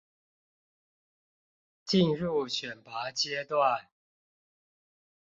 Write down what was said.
進入選拔階段